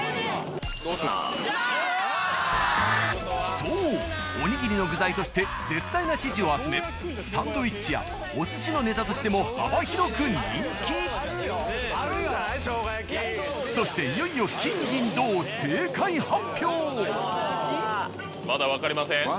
そうおにぎりの具材として絶大な支持を集めサンドイッチやお寿司のネタとしても幅広く人気そしていよいよまだ分かりません。